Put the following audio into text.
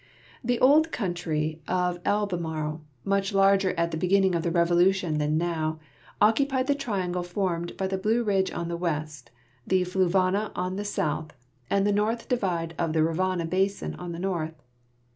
The old county of Albemarle, much larger at the beginning of the Revolution than now, occupied the triangle formed by the Blue Ridge on the west, the Fluvanna on the south, and the northern divide of the Rivanna basin on the north.